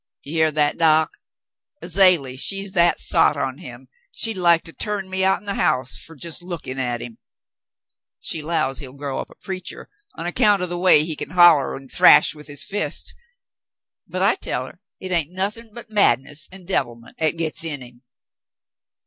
"You hear that. Doc .'^ Azalie, she's that sot on him she's like to turn me outen the house fer jes' lookin' at him. She 'lows he'll grow up a preacher, on account o' the way he kin holler an' thrash with his fists, but I tell her hit hain't no thin' but madness an' devilment 'at gits in him."